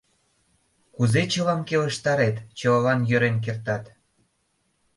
Кузе чылам келыштарет, чылалан йӧрен кертат?